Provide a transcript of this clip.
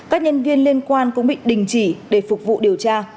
các nhân viên liên quan cũng bị đình chỉ để phục vụ điều tra